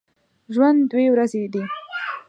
ژوند دوې ورځي دی